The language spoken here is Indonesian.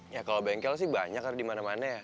ya kalo bengkel sih banyak ada dimana mana ya